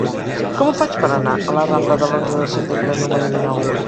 Com ho faig per anar a la rambla de l'Onze de Setembre número dinou?